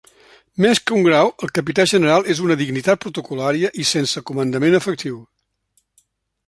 Més que un grau el capità general és una dignitat protocol·lària i sense comandament efectiu.